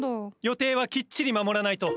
予定はきっちり守らないと。